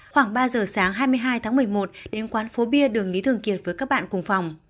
khoảng ba giờ sáng hai mươi hai tháng một mươi một đến quán phố bia đường lý thường kiệt với các bạn cùng phòng